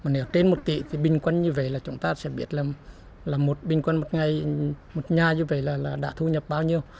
nếu trên một tỷ thì bình quân như vậy là chúng ta sẽ biết là bình quân một nhà như vậy là đã thu nhập bao nhiêu